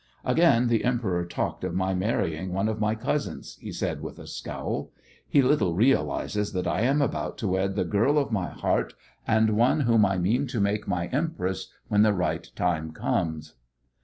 "Again the Emperor talked of my marrying one of my cousins," he said with a scowl. "He little realizes that I am about to wed the girl of my heart, and one whom I mean to make my Empress when the right time comes."